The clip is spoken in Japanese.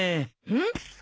うん？